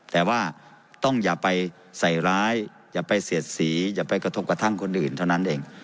แต่ว่าต้องอย่าไปใส่ร้ายอย่าไปเสียดสีอย่าไปกระทบกระทั่งคนอื่นเท่านั้นเอง